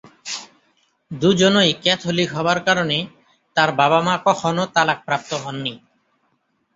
দুজনই ক্যাথলিক হবার কারণে তার বাবা-মা কখনো তালাকপ্রাপ্ত হন নি।